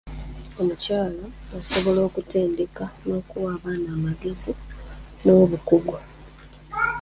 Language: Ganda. Omukyala asobola okutendeka n'okuwa abaana amagezi n'obukugu.